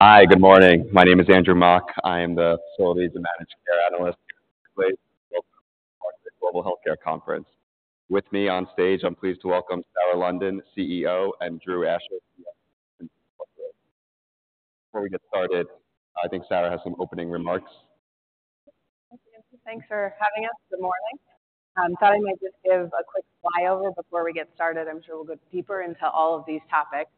Hi, good morning. My name is Andrew Mok. I am the facilities and managed care analyst. Welcome to the Global Healthcare Conference. With me on stage, I'm pleased to welcome Sarah London, CEO, and Drew Asher. Before we get started, I think Sarah has some opening remarks. Thanks for having us. Good morning. Sorry, I might just give a quick flyover before we get started. I'm sure we'll go deeper into all of these topics.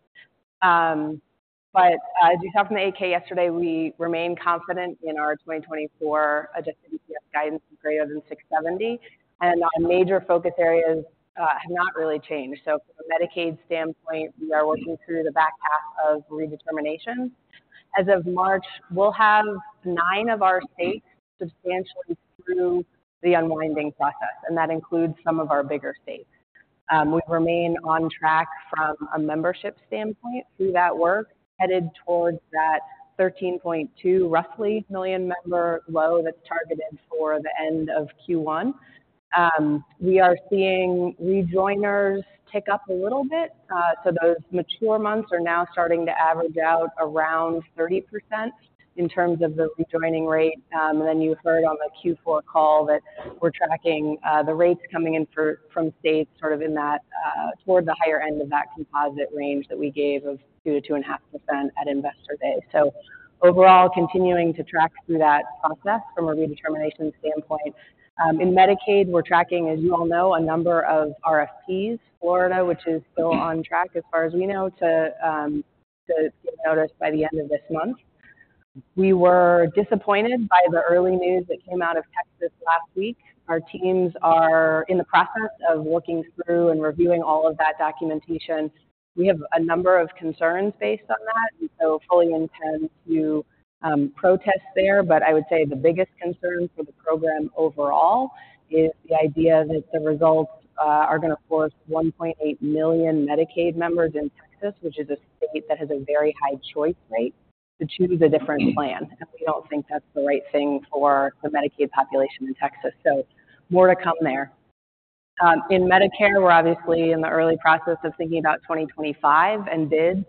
But as you saw from the 8-K yesterday, we remain confident in our 2024 adjusted EPS guidance of greater than $6.70, and our major focus areas have not really changed. So from a Medicaid standpoint, we are working through the back half of redetermination. As of March, we'll have nine of our states substantially through the unwinding process, and that includes some of our bigger states. We remain on track from a membership standpoint through that work, headed towards that 13.2, roughly million member low that's targeted for the end of Q1. We are seeing rejoiners tick up a little bit, so those mature months are now starting to average out around 30% in terms of the rejoining rate. And then you heard on the Q4 call that we're tracking the rates coming in from states, sort of in that, toward the higher end of that composite range that we gave of 2%-2.5% at Investor Day. So overall, continuing to track through that process from a redetermination standpoint. In Medicaid, we're tracking, as you all know, a number of RFPs, Florida, which is still on track, as far as we know, to give notice by the end of this month. We were disappointed by the early news that came out of Texas last week. Our teams are in the process of working through and reviewing all of that documentation. We have a number of concerns based on that, and so fully intend to protest there. But I would say the biggest concern for the program overall is the idea that the results are gonna force 1.8 million Medicaid members in Texas, which is a state that has a very high choice rate, to choose a different plan. And we don't think that's the right thing for the Medicaid population in Texas. So more to come there. In Medicare, we're obviously in the early process of thinking about 2025 and bid.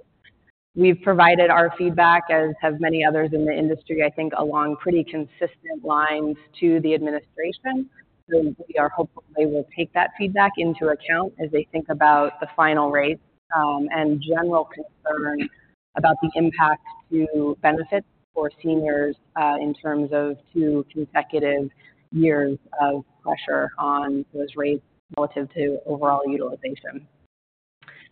We've provided our feedback, as have many others in the industry, I think, along pretty consistent lines to the administration. So we are hopeful they will take that feedback into account as they think about the final rates, and general concern about the impact to benefits for seniors, in terms of two consecutive years of pressure on those rates relative to overall utilization.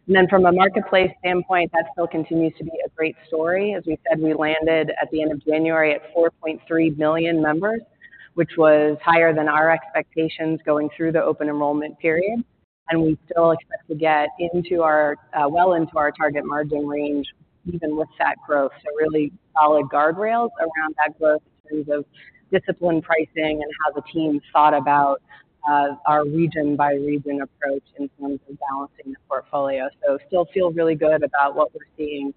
And then from a Marketplace standpoint, that still continues to be a great story. As we said, we landed at the end of January at 4.3 million members, which was higher than our expectations going through the open enrollment period. And we still expect to get into our, well into our target margin range, even with that growth. So really solid guardrails around that growth in terms of disciplined pricing and how the team thought about, our region by region approach in terms of balancing the portfolio. So still feel really good about what we're seeing,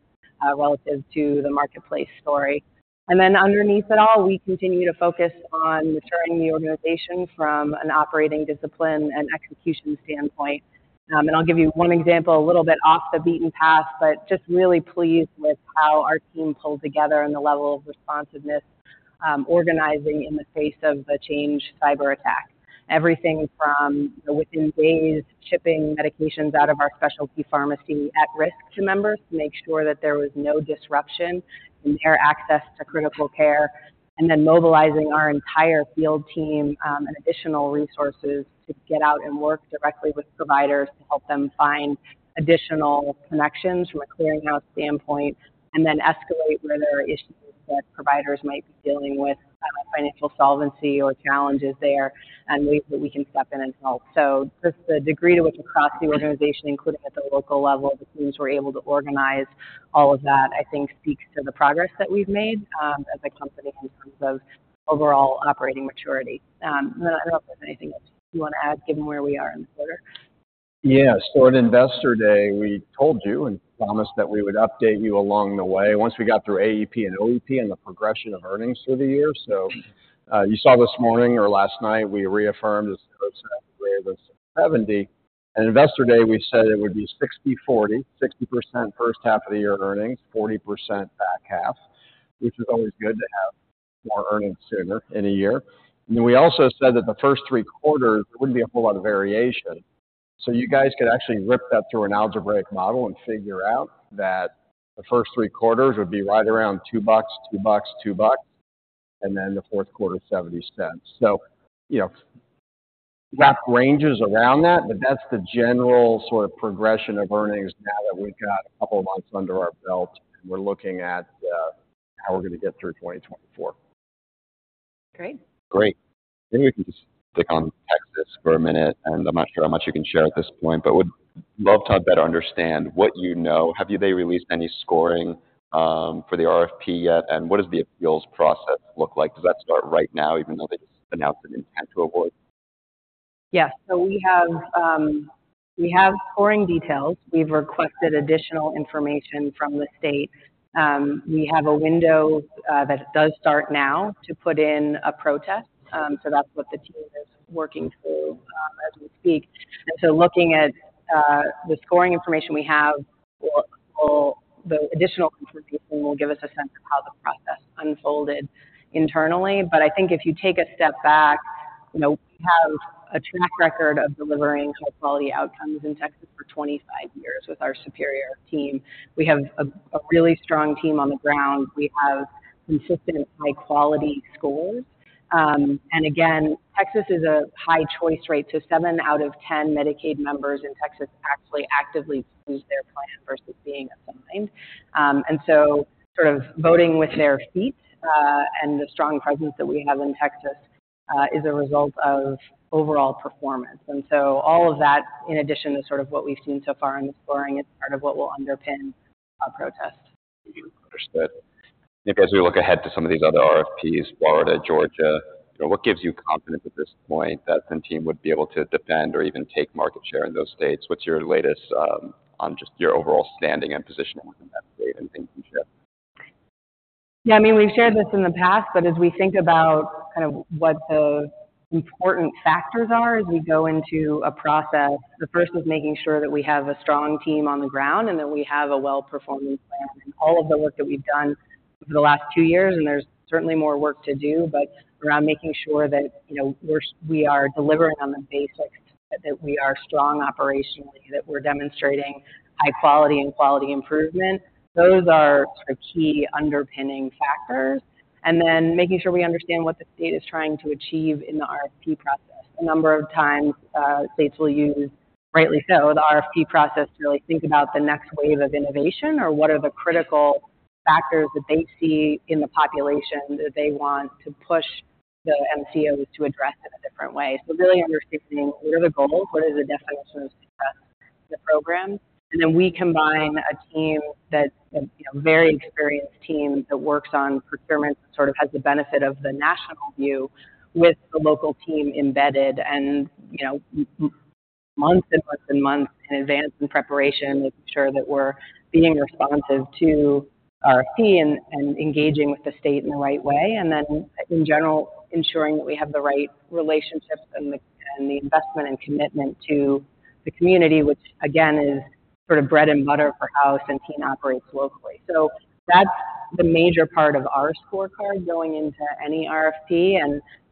relative to the Marketplace story. And then underneath it all, we continue to focus on maturing the organization from an operating discipline and execution standpoint. And I'll give you one example, a little bit off the beaten path, but just really pleased with how our team pulled together and the level of responsiveness, organizing in the face of the Change Healthcare cyberattack. Everything from within days, shipping medications out of our specialty pharmacy at risk to members to make sure that there was no disruption in care access to critical care, and then mobilizing our entire field team, and additional resources to get out and work directly with providers to help them find additional connections from a clearing house standpoint, and then escalate where there are issues that providers might be dealing with, financial solvency or challenges there and ways that we can step in and help. So just the degree to which across the organization, including at the local level, the teams were able to organize all of that, I think speaks to the progress that we've made, as a company in terms of overall operating maturity. I don't know if there's anything else you want to add, given where we are in the quarter? Yeah. So at Investor Day, we told you and promised that we would update you along the way once we got through AEP and OEP and the progression of earnings through the year. So, you saw this morning or last night, we reaffirmed the EPS was $6.70. At Investor Day, we said it would be 60/40, 60% first half of the year earnings, 40% back half, which is always good to have more earnings sooner in a year. And then we also said that the first three quarters, there wouldn't be a whole lot of variation. So you guys could actually rip that through an algebraic model and figure out that the first three quarters would be right around $2, $2, $2, and then the fourth quarter, $0.70. So you know, rough ranges around that, but that's the general sort of progression of earnings now that we've got a couple of months under our belt, and we're looking at how we're going to get through 2024. Great. Great. Maybe we can just click on Texas for a minute, and I'm not sure how much you can share at this point, but would love to better understand what you know. Have they released any scoring for the RFP yet? And what does the appeals process look like? Does that start right now, even though they just announced an intent to award? Yes. So we have, we have scoring details. We've requested additional information from the state. We have a window that does start now to put in a protest. So that's what the team is working through, so looking at the scoring information we have or all the additional information will give us a sense of how the process unfolded internally. But I think if you take a step back, you know, we have a track record of delivering high-quality outcomes in Texas for 25 years with our Superior team. We have a really strong team on the ground. We have consistent high-quality scores. And again, Texas is a high choice rate, so 7 out of 10 Medicaid members in Texas actually actively choose their plan versus being assigned. And so sort of voting with their feet, and the strong presence that we have in Texas, is a result of overall performance. And so all of that, in addition to sort of what we've seen so far in the scoring, is part of what will underpin our protest. Understood. Maybe as we look ahead to some of these other RFPs, Florida, Georgia, you know, what gives you confidence at this point that Centene would be able to defend or even take market share in those states? What's your latest, on just your overall standing and positioning within that state, and things you share? Yeah, I mean, we've shared this in the past, but as we think about kind of what the important factors are as we go into a process, the first is making sure that we have a strong team on the ground and that we have a well-performing plan. All of the work that we've done over the last two years, and there's certainly more work to do, but around making sure that, you know, we are delivering on the basics, that we are strong operationally, that we're demonstrating high quality and quality improvement. Those are sort of key underpinning factors, and then making sure we understand what the state is trying to achieve in the RFP process. A number of times, states will use, rightly so, the RFP process to really think about the next wave of innovation or what are the critical factors that they see in the population that they want to push the MCO to address in a different way. So really understanding what are the goals, what are the definitions of success in the program, and then we combine a team that, you know, very experienced team that works on procurement, sort of has the benefit of the national view with the local team embedded, and, you know, months and months in advance in preparation, making sure that we're being responsive to RFP and engaging with the state in the right way, and then, in general, ensuring that we have the right relationships and the investment and commitment to the community, which again, is sort of bread and butter for how Centene operates locally. So that's the major part of our scorecard going into any RFP,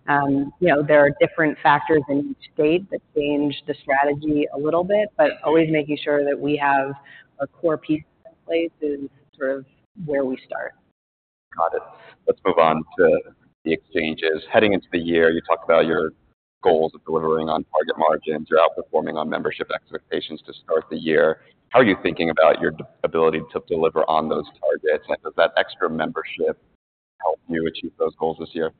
and, you know, there are different factors in each state that change the strategy a little bit, but always making sure that we have a core piece in place is sort of where we start. Got it. Let's move on to the exchanges. Heading into the year, you talked about your goals of delivering on target margins. You're outperforming on membership expectations to start the year. How are you thinking about your ability to deliver on those targets, and does that extra membership help you achieve those goals this year?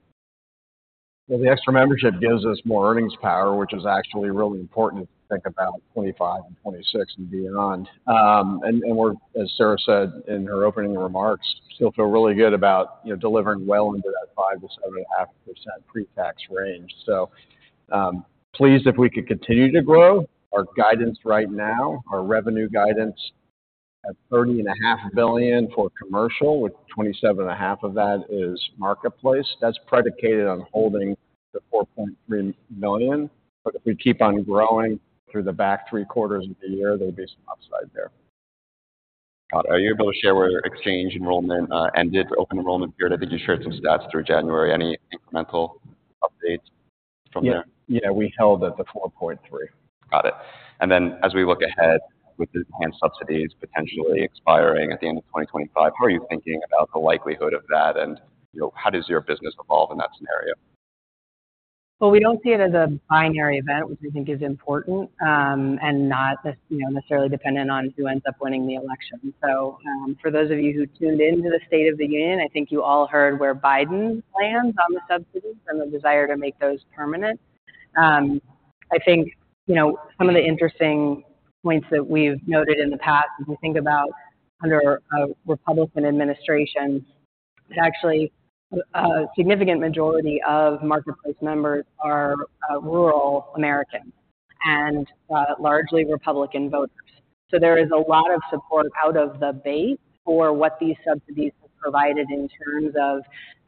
Well, the extra membership gives us more earnings power, which is actually really important to think about 2025 and 2026 and beyond. And we're, as Sarah said in her opening remarks, still feel really good about, you know, delivering well into that 5%-7.5% pretax range. So, pleased if we could continue to grow. Our guidance right now, our revenue guidance at $30.5 billion for commercial, with $27.5 billion of that is Marketplace. That's predicated on holding the 4.3 million, but if we keep on growing through the back three quarters of the year, there'll be some upside there. Got it. Are you able to share where your exchange enrollment ended the open enrollment period? I think you shared some stats through January. Any incremental updates from there? Yeah, we held at the 4.3. Got it. And then as we look ahead with the enhanced subsidies potentially expiring at the end of 2025, how are you thinking about the likelihood of that, and, you know, how does your business evolve in that scenario? Well, we don't see it as a binary event, which we think is important, and not, you know, necessarily dependent on who ends up winning the election. So, for those of you who tuned in to the State of the Union, I think you all heard where Biden lands on the subsidies and the desire to make those permanent. I think, you know, some of the interesting points that we've noted in the past, as we think about under a Republican administration, that actually a significant majority of Marketplace members are rural Americans and largely Republican voters. So there is a lot of support out of the base for what these subsidies have provided in terms of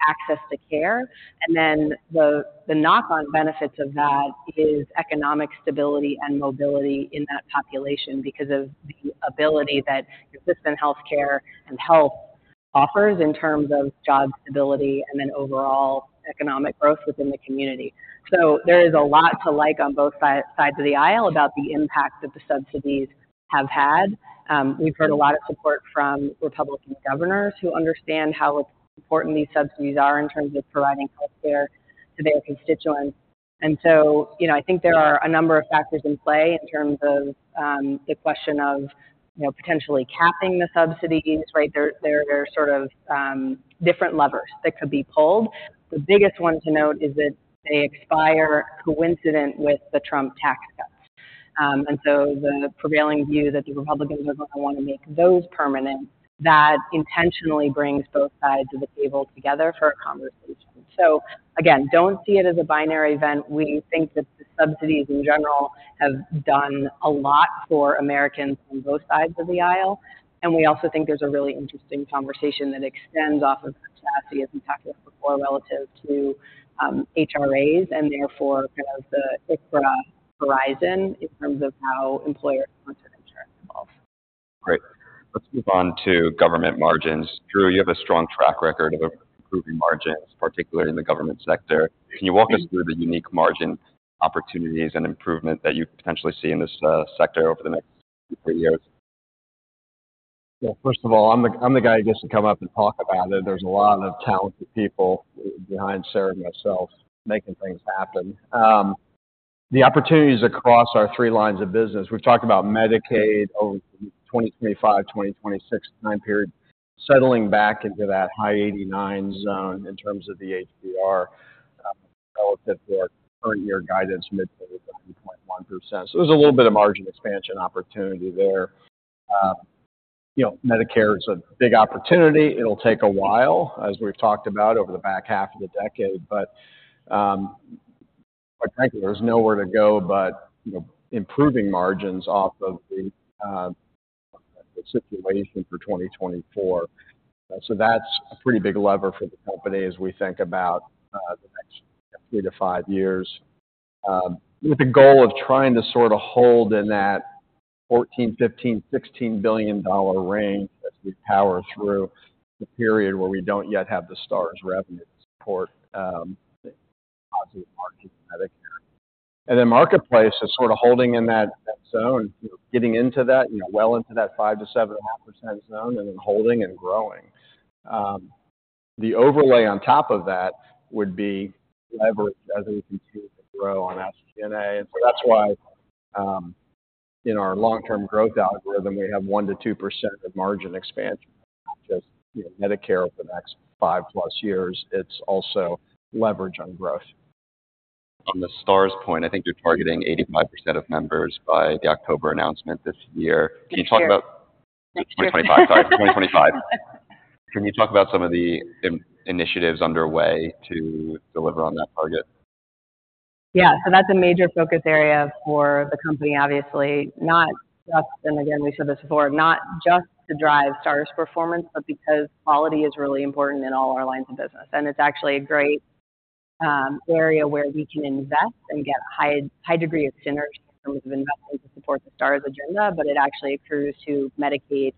access to care. And then the knock-on benefits of that is economic stability and mobility in that population because of the ability that consistent healthcare and health offers in terms of job stability and then overall economic growth within the community. So there is a lot to like on both sides of the aisle about the impact that the subsidies have had. We've heard a lot of support from Republican governors who understand how important these subsidies are in terms of providing healthcare to their constituents. And so, you know, I think there are a number of factors in play in terms of the question of, you know, potentially capping the subsidies, right? There are sort of different levers that could be pulled. The biggest one to note is that they expire coincident with the Trump tax cuts. And so the prevailing view that the Republicans are going to want to make those permanent, that intentionally brings both sides of the table together for a conversation. So again, don't see it as a binary event. We think that the subsidies in general have done a lot for Americans on both sides of the aisle, and we also think there's a really interesting conversation that extends off of capacity, as we talked about before, relative to HRAs, and therefore, kind of the ICHRA horizon in terms of how employers want to-... Great. Let's move on to government margins. Drew, you have a strong track record of improving margins, particularly in the government sector. Can you walk us through the unique margin opportunities and improvement that you potentially see in this sector over the next three years? Well, first of all, I'm the guy who gets to come up and talk about it. There's a lot of talented people behind Sarah and myself, making things happen. The opportunities across our three lines of business, we've talked about Medicaid over the 2025, 2026 time period, settling back into that high 89 zone in terms of the HBR, relative to our current year guidance, mid 30.1%. So there's a little bit of margin expansion opportunity there. You know, Medicare is a big opportunity. It'll take a while, as we've talked about, over the back half of the decade, but, particularly, there's nowhere to go but, you know, improving margins off of the situation for 2024. So that's a pretty big lever for the company as we think about the next 3 to 5 years. With the goal of trying to sort of hold in that $14 billion-$16 billion range as we power through the period where we don't yet have the Stars revenue to support positive margin Medicare. And then Marketplace is sort of holding in that zone, getting into that, you know, well into that 5%-7.5% zone, and then holding and growing. The overlay on top of that would be leverage as we continue to grow on SG&A. So that's why, in our long-term growth algorithm, we have 1%-2% of margin expansion, because, you know, Medicare over the next 5+ years, it's also leverage on growth. On the Stars point, I think you're targeting 85% of members by the October announcement this year. Next year. Can you talk about 2025, sorry. 2025. Can you talk about some of the initiatives underway to deliver on that target? Yeah, so that's a major focus area for the company, obviously. Not just, and again, we said this before, not just to drive Stars performance, but because quality is really important in all our lines of business. And it's actually a great area where we can invest and get a high, high degree of synergy in terms of investments to support the Stars agenda, but it actually improves our Medicaid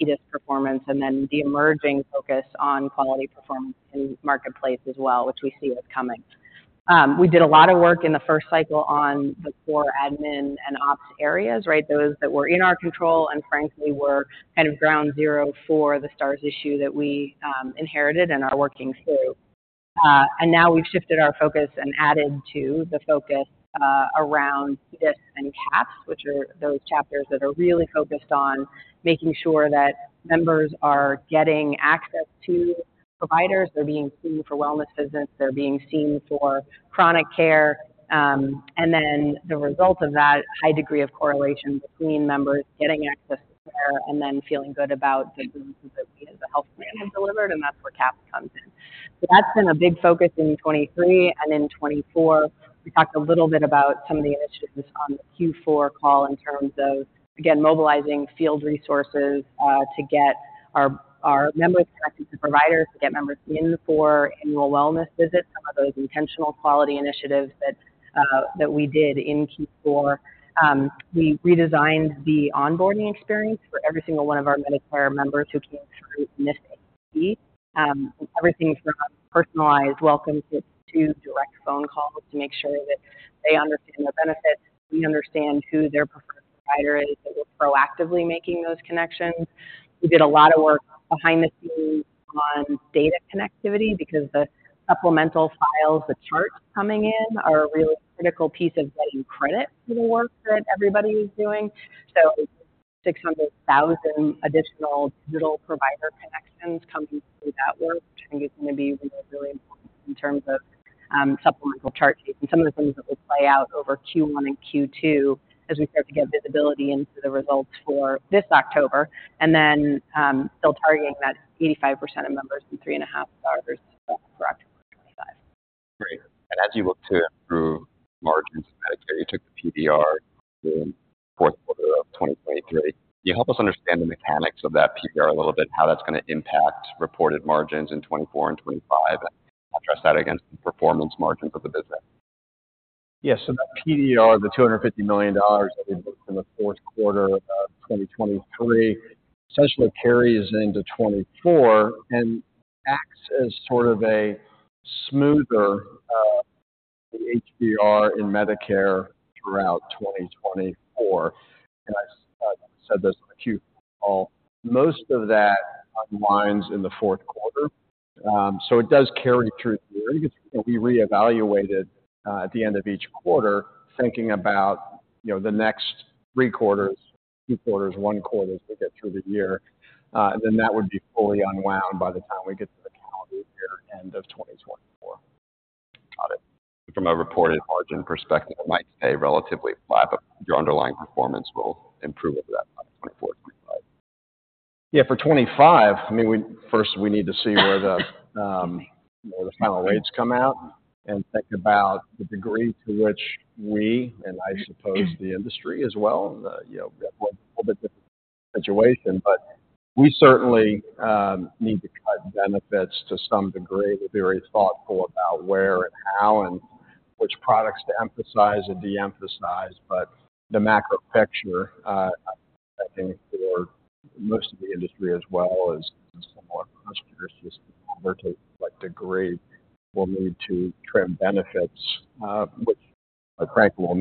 HEDIS performance, and then the emerging focus on quality performance in Marketplace as well, which we see as coming. We did a lot of work in the first cycle on the core admin and ops areas, right? Those that were in our control and frankly, were kind of ground zero for the Stars issue that we inherited and are working through. Now we've shifted our focus and added to the focus, around this and CAHPS, which are those chapters that are really focused on making sure that members are getting access to providers, they're being seen for wellness visits, they're being seen for chronic care, and then the result of that high degree of correlation between members getting access to care and then feeling good about the services that we as a health plan have delivered, and that's where CAHPS comes in. So that's been a big focus in 2023 and in 2024. We talked a little bit about some of the initiatives on the Q4 call in terms of, again, mobilizing field resources, to get our members connected to providers, to get members in for annual wellness visits, some of those intentional quality initiatives that that we did in Q4. We redesigned the onboarding experience for every single one of our Medicare members who came through this. Everything from a personalized welcome to direct phone calls to make sure that they understand the benefits, we understand who their preferred provider is, that we're proactively making those connections. We did a lot of work behind the scenes on data connectivity, because the supplemental files, the charts coming in, are a really critical piece of getting credit for the work that everybody is doing. So 600,000 additional digital provider connections coming through that work, which I think is going to be really, really important in terms of, supplemental chart tape and some of the things that will play out over Q1 and Q2 as we start to get visibility into the results for this October, and then, still targeting that 85% of members in 3.5 hours for October 2025. Great. As you look to improve margins in Medicare, you took the PDR in the fourth quarter of 2023. Can you help us understand the mechanics of that PDR a little bit, how that's going to impact reported margins in 2024 and 2025, and contrast that against the performance margins of the business? Yes. So the PDR, the $250 million in the fourth quarter of 2023, essentially carries into 2024 and acts as sort of a smoother, HBR in Medicare throughout 2024. And I said this on the Q call, most of that unwinds in the fourth quarter, so it does carry through the year. It will be reevaluated, at the end of each quarter, thinking about, you know, the next three quarters, two quarters, one quarter, as we get through the year, then that would be fully unwound by the time we get to the calendar year end of 2024. Got it. From a reported margin perspective, it might stay relatively flat, but your underlying performance will improve over that 2024, 2025. Yeah, for 25, I mean, we first need to see where the final rates come out and think about the degree to which we, and I suppose the industry as well, you know, a little bit different situation, but we certainly need to cut benefits to some degree. We're very thoughtful about where and how, and which products to emphasize or de-emphasize, but the macro picture, I think for most of the industry as well as some of our customers, just take what degree will need to trim benefits, which frankly, will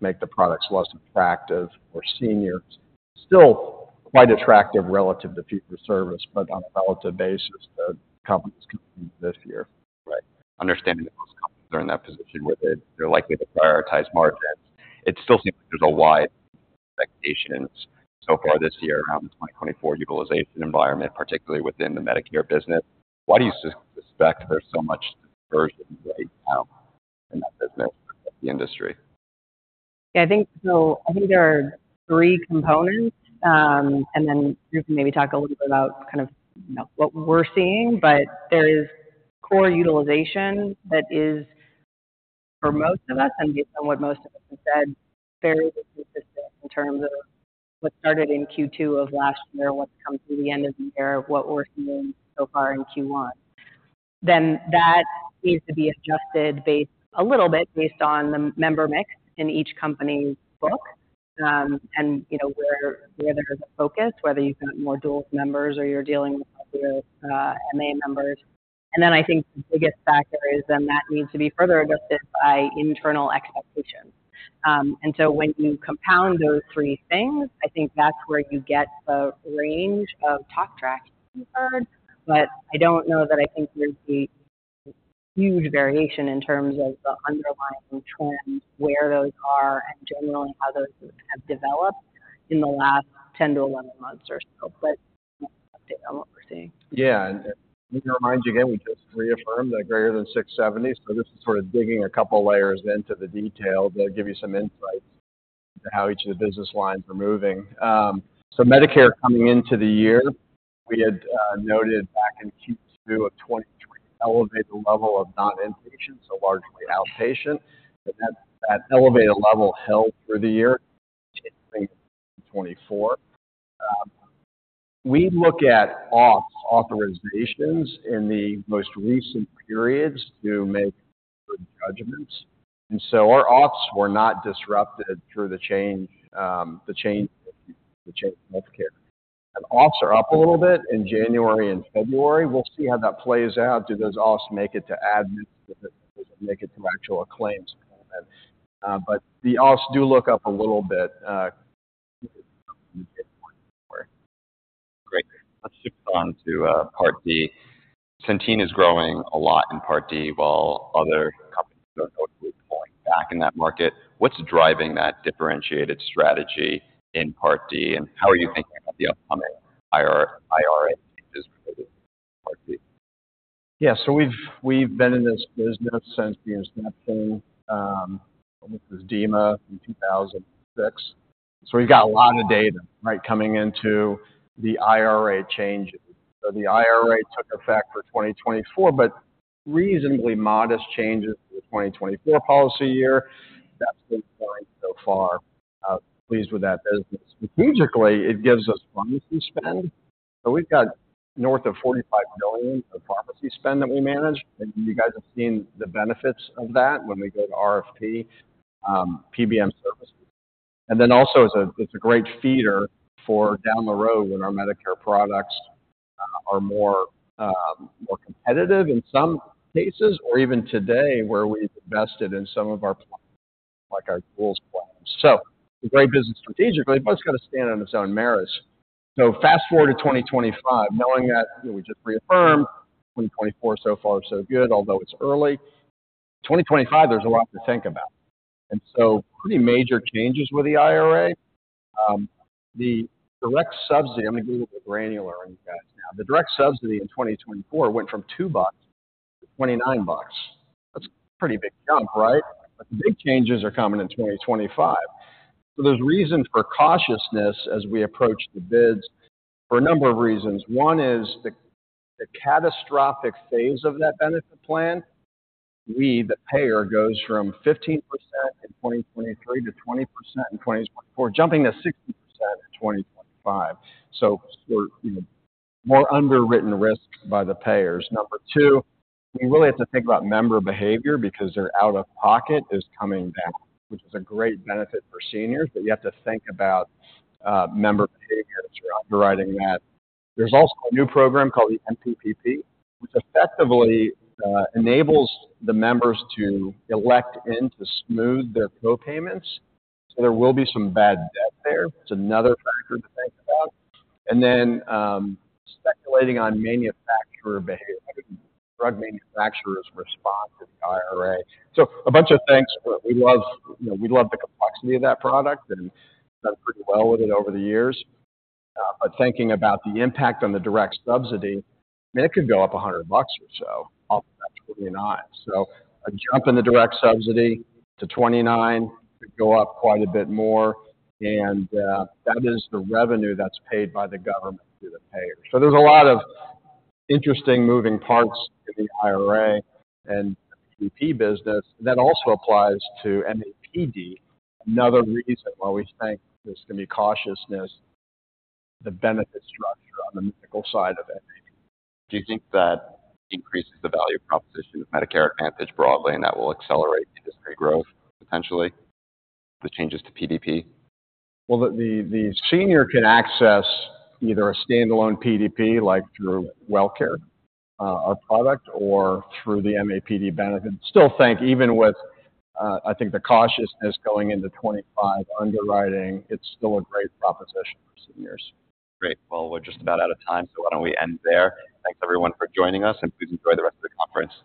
make the products less attractive for seniors. Still quite attractive relative to future service, but on a relative basis, the companies compete this year. Right. Understanding that those companies are in that position with it, they're likely to prioritize margins. It still seems like there's a wide expectations so far this year around the 2024 utilization environment, particularly within the Medicare business. Why do you suspect there's so much diversion right now in that business, the industry? Yeah, I think so. I think there are three components, and then just maybe talk a little bit about kind of, you know, what we're seeing. But there is core utilization that is, for most of us, and based on what most of us have said, very consistent in terms of what started in Q2 of last year, what's come through the end of the year, what we're seeing so far in Q1. Then that needs to be adjusted a little bit based on the member mix in each company's book. And, you know, where there's a focus, whether you've got more dual members or you're dealing with MA members. And then I think the biggest factor is then that needs to be further adjusted by internal expectations. And so when you compound those three things, I think that's where you get the range of talk track you've heard. But I don't know that I think there's the huge variation in terms of the underlying trends, where those are, and generally how those have developed in the last 10-11 months or so. But update on what we're seeing. Yeah, and it reminds you, again, we just reaffirmed that greater than 670. So this is sort of digging a couple layers into the detail to give you some insight to how each of the business lines are moving. So Medicare coming into the year, we had noted back in Q2 of 2023, elevated level of non-inpatient, so largely outpatient, but that elevated level held through the year, 2024. We look at auth, authorizations in the most recent periods to make good judgments, and so our auths were not disrupted through the Change Healthcare. And auths are up a little bit in January and February. We'll see how that plays out. Do those auths make it to admin, make it to actual claims? But the auths do look up a little bit, Great. Let's switch on to Part D. Centene is growing a lot in Part D, while other companies are notably pulling back in that market. What's driving that differentiated strategy in Part D, and how are you thinking about the upcoming IRA business model in Part D? Yeah, so we've, we've been in this business since the inception, which was Part D in 2006. So we've got a lot of data, right, coming into the IRA changes. So the IRA took effect for 2024, but reasonably modest changes to the 2024 policy year. That's the point so far. Pleased with that business. Strategically, it gives us pharmacy spend. So we've got north of $45 billion of pharmacy spend that we manage, and you guys have seen the benefits of that when we go to RFP, PBM services. And then also, it's a, it's a great feeder for down the road when our Medicare products are more, more competitive in some cases, or even today, where we've invested in some of our, like our tools. So it's a great business strategically, but it's got to stand on its own merits. So fast-forward to 2025, knowing that we just reaffirmed 2024, so far, so good, although it's early. 2025, there's a lot to think about. So pretty major changes with the IRA. The direct subsidy, I'm going to get a little granular on you guys now. The direct subsidy in 2024 went from $2 to $29. That's a pretty big jump, right? But the big changes are coming in 2025. So there's reasons for cautiousness as we approach the bids for a number of reasons. One is the, the catastrophic phase of that benefit plan. We, the payer, goes from 15% in 2023 to 20% in 2024, jumping to 60% in 2025. So we're, you know, more underwritten risk by the payers. Number 2, we really have to think about member behavior because their out-of-pocket is coming back, which is a great benefit for seniors, but you have to think about, member behavior that's underwriting that. There's also a new program called the MPPP, which effectively, enables the members to elect in to smooth their co-payments, so there will be some bad debt there. It's another factor to think about. And then, speculating on manufacturer behavior, drug manufacturers' response to the IRA. So a bunch of things. We love, you know, we love the complexity of that product and done pretty well with it over the years. But thinking about the impact on the direct subsidy, it could go up $100 or so, up to 29. So a jump in the direct subsidy to 29 could go up quite a bit more, and that is the revenue that's paid by the government to the payer. So there's a lot of interesting moving parts to the IRA and PP business. That also applies to MAPD. Another reason why we think there's going to be cautiousness, the benefit structure on the medical side of it. Do you think that increases the value proposition of Medicare Advantage broadly, and that will accelerate the industry growth, potentially, the changes to PDP? Well, the senior can access either a standalone PDP, like through Wellcare, our product, or through the MAPD benefit. Still think even with, I think the cautiousness going into 2025 underwriting, it's still a great proposition for seniors. Great. Well, we're just about out of time, so why don't we end there? Thanks, everyone, for joining us, and please enjoy the rest of the conference.